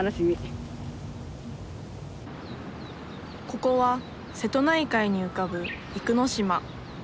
ここは瀬戸内海に浮かぶ生野島。